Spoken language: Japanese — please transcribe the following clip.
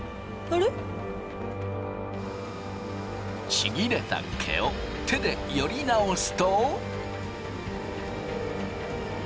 ちぎれた毛を手でより直すと。